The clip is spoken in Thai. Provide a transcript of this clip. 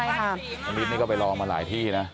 คุณนิดนี่ก็ไปลองมาหลายที่นะ